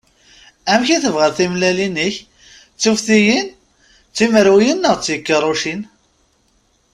Amek i tebɣiḍ timellalin-ik? D tuftiyin, d timerwiyin neɣ d tikiṛucin?